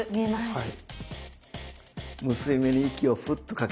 はい。